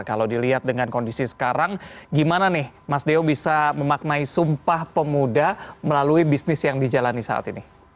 kalau dilihat dengan kondisi sekarang gimana nih mas deo bisa memaknai sumpah pemuda melalui bisnis yang dijalani saat ini